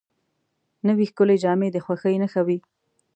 نوې ښکلې جامې د خوښۍ نښه وي